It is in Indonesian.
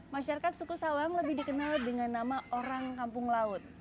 masyarakat suku sawang lebih dikenal dengan nama orang kampung laut